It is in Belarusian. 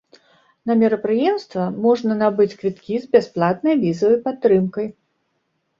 На мерапрыемства можна набыць квіткі з бясплатнай візавай падтрымкай.